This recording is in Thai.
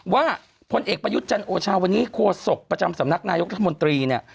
ว่าพลเอกประยุจจันทร์โอชาวันนี้โครสกประจำสำนักนายกรัฐมนตรี